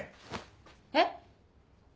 えっ？